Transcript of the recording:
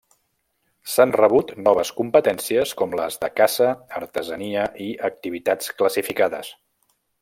S'han rebut noves competències com les de Caça, Artesania i Activitats Classificades.